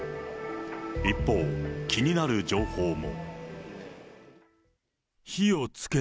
一方、気になる情報も。